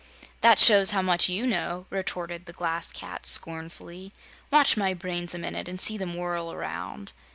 "That shows how much you know!" retorted the Glass Cat, scornfully. "Watch my brains a minute, and see them whirl around."